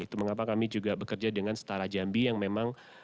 itu mengapa kami juga bekerja dengan setara jambi yang memang